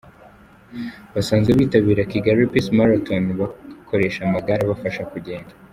Basanzwe bitabira Kigali Peace Marathon bakoresha amagare abafasha kugenda.